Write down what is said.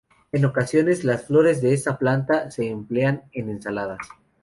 En ocasiones, las flores de esta planta se emplean en ensaladas.